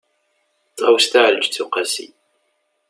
ṭawes taεelǧeţ uqasi